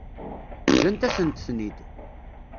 Ǧǧant-asent-ten-id.